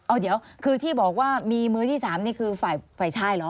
เอาเดี๋ยวคือที่บอกว่ามีมือที่๓นี่คือฝ่ายชายเหรอ